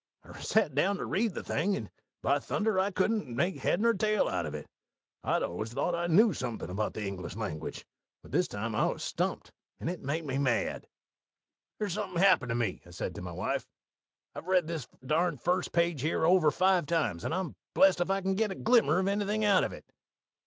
I sat down to read the thing, and by thunder, sir, I couldn't make head nor tail out of it! I'd always thought I knew something about the English language; but this time I was stumped, and it made me mad. "'There's something happened to me,' I said to my wife. 'I've read this darned first page here over five times, and I'm blest if I can get a glimmer of anythin' out of it.'